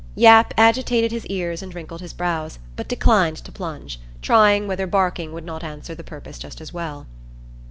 Yap agitated his ears and wrinkled his brows, but declined to plunge, trying whether barking would not answer the purpose just as well.